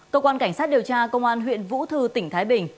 cơ quan cảnh sát điều tra công an huyện vũ thư tỉnh thái bình